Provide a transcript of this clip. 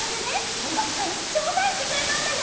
おんがくかいにしょうたいしてくれたんだよ！